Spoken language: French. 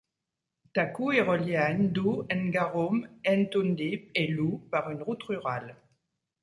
Taku est relié à Ndu, Ngarum, Ntundip et Luh par une route rurale.